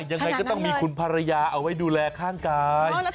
ยังไงก็ต้องมีคุณภรรยาเอาไว้ดูแลข้างกายขนาดนั้นเลย